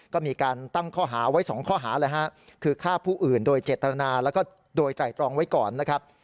ก็มีการตั้งข้อหาไว้๒ข้อหาเลยฮะคือฆ่าผู้อื่นโดยเจตนาแล้วก็โดยไตรตรองไว้ก่อนนะครับ